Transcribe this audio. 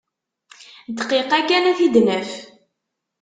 Dqiqa kan ad t-id-naf.